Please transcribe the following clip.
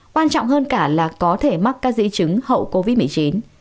quan trọng hơn cả là có thể mắc các di chứng hậu covid một mươi chín